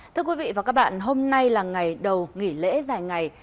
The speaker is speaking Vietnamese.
thưa quý vị và các bạn hôm nay là ngày đầu nghỉ lễ dài ngày